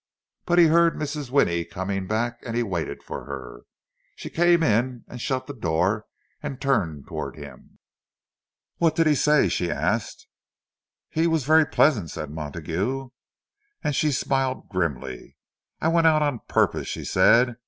But he heard Mrs. Winnie coming back, and he waited for her. She came in and shut the door, and turned toward him. "What did he say?" she asked. "He—was very pleasant," said Montague. And she smiled grimly. "I went out on purpose," she said.